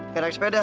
gak naik sepeda